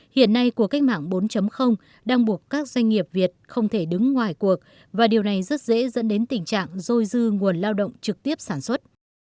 hiện nay của cách mạng bốn đang buộc các doanh nghiệp việt không thể đứng ngoài cuộc và điều này rất dễ dẫn đến tình trạng dôi dư nguồn lao động trực tiếp sản xuất